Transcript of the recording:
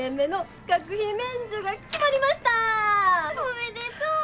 おめでとう！